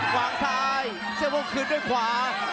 หวางซ้ายเสื้อพ่งขึ้นด้วยขวา